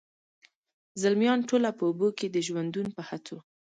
زلمیان ټوله په اوبو کي د ژوندون په هڅو،